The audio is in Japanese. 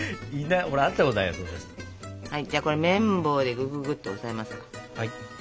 はいじゃあこれ麺棒でぐぐぐっと押さえます。